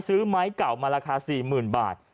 ซื้อไม้เก่ามาราคา๔๐๐๐บาท